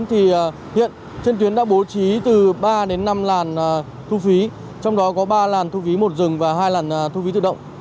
hiện trên tuyến đã bố trí từ ba đến năm làn thu phí trong đó có ba làn thu phí một dừng và hai làn thu phí tự động